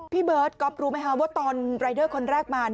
พี่เบิร์ทก็รู้ไหมครับว่าตอนรายเด้อคนแรกมา